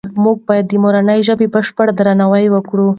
موږ باید د مورنۍ ژبې بشپړ درناوی وکړو.